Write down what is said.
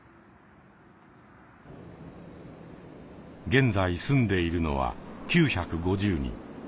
現在住んでいるのは９５０人。